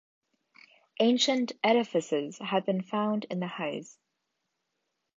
Ancient edifices have also been found in Heis.